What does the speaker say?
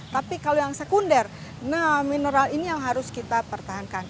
tapi kalau yang sekunder mineral ini yang harus kita pertahankan